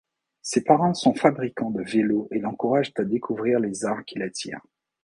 Ses parents sont fabricants de vélos et l'encouragent à découvrir les arts qui l'attirent.